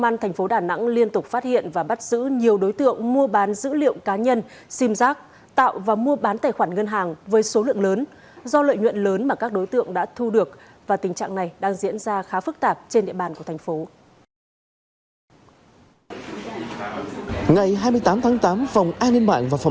công an tp đà nẵng liên tục phát hiện và bắt giữ nhiều đối tượng mua bán dữ liệu cá nhân sim giác tạo và mua bán tài khoản ngân hàng với số lượng lớn do lợi nhuận lớn mà các đối tượng đã thu được và tình trạng này đang diễn ra khá phức tạp trên địa bàn của thành phố